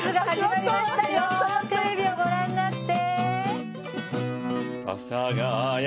テレビをご覧になって。